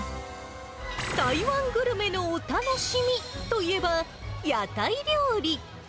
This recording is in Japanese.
台湾グルメのお楽しみといえば、屋台料理。